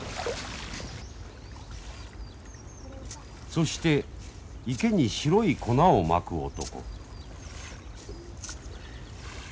そして池に白い粉をまく男。